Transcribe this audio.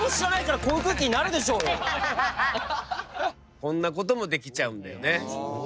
こんなこともできちゃうんだよね。